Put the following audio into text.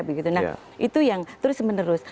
itu yang terus menerus